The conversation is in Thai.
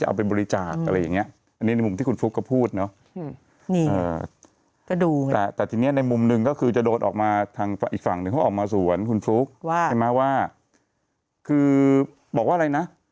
หน้าไปเจ้าชู้เคยทำอะไรให้ประเทศบ้างหรือไม่